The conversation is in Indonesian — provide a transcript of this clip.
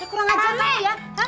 kurang ajar mbak